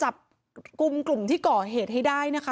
เหตุการณ์เกิดขึ้นแถวคลองแปดลำลูกกา